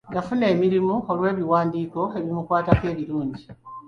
Yafuna emirimu olw'ebiwandiiko ebimukwatako ebirungi.